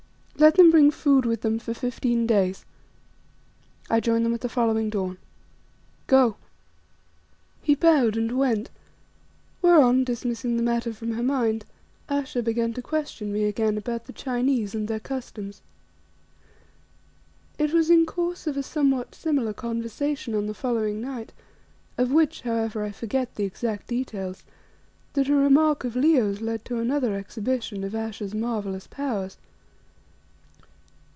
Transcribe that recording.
Let them bring food with them for fifteen days. I join them at the following dawn. Go." He bowed and went, whereon, dismissing the matter from her mind, Ayesha began to question me again about the Chinese and their customs. It was in course of a somewhat similar conversation on the following night, of which, however, I forget the exact details, that a remark of Leo's led to another exhibition of Ayesha's marvellous powers.